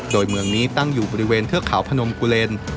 โดยเมืองนี้ตั้งอยู่บริเวณเทือกเขาพนมกุเลน